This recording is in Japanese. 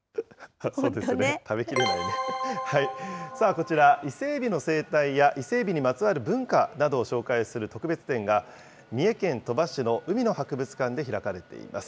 こちら、伊勢えびの生態や伊勢えびにまつわる文化などを紹介する特別展が、三重県鳥羽市の海の博物館で開かれています。